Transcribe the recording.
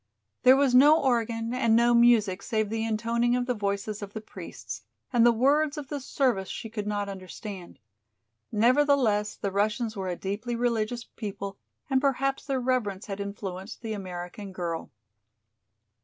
There was no organ and no music save the intoning of the voices of the priests, and the words of the service she could not understand. Nevertheless the Russians were a deeply religious people and perhaps their reverence had influenced the American girl.